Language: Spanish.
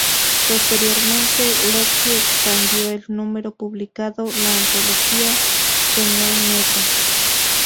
Posteriormente, Locke expandió el número publicando la antología "The New Negro".